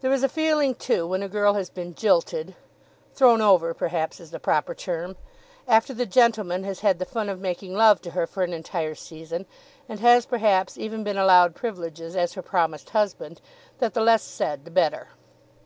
There is a feeling, too, when a girl has been jilted, thrown over, perhaps, is the proper term, after the gentleman has had the fun of making love to her for an entire season, and has perhaps even been allowed privileges as her promised husband, that the less said the better.